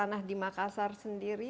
tanah di makassar sendiri